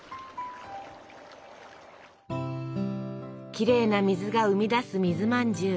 きれいな水が生み出す水まんじゅう。